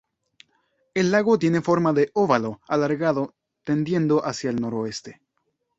El lago tiene forma de óvalo alargado tendiendo hacia el noroeste.